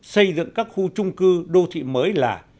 xây dựng các khu trung cư đô thị mới là